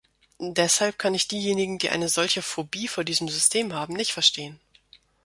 Deshalb kann ich diejenigen, die eine solche Phobie vor diesem System haben, nicht verstehen.